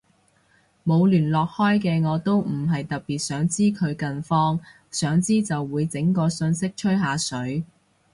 冇聯絡開嘅我都唔係特別想知佢近況，想知就會整個訊息吹下水